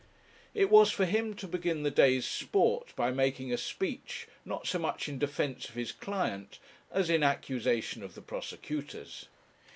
It was for him to begin the day's sport by making a speech, not so much in defence of his client as in accusation of the prosecutors.